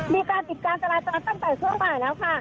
มีการปิดการจราจรตั้งแต่ช่วงบ่ายแล้วค่ะ